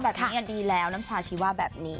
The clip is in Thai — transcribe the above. แบบนี้ดีแล้วน้ำชาชีวะแบบนี้